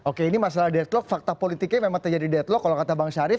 oke ini masalah deadlock fakta politiknya memang terjadi deadlock kalau kata bang syarif